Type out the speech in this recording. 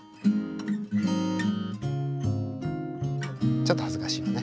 ちょっと恥ずかしいよね。